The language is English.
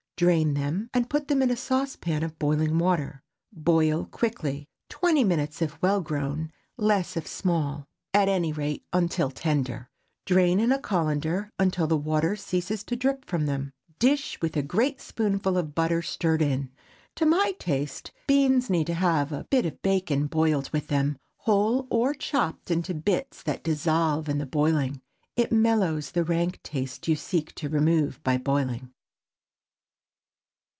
Drain them, and put into a saucepan of boiling water. Boil quickly, twenty minutes if well grown—less if small—at any rate, until tender. Drain in a cullender until the water ceases to drip from them. Dish with a great spoonful of butter stirred in. To my taste, beans need to have a bit of bacon boiled with them—whole, or chopped into bits that dissolve in the boiling. It mellows the rank taste you seek to remove by boiling.